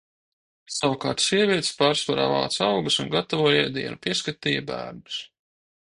Savukārt sievietes pārsvarā vāca augus un gatavoja ēdienu, pieskatīja bērnus.